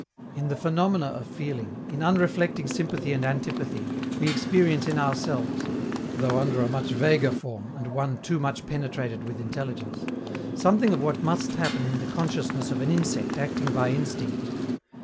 In the phenomena of feeling, in unreflecting sympathy and antipathy, we experience in ourselves though under a much vaguer form, and one too much penetrated with intelligence something of what must happen in the consciousness of an insect acting by instinct.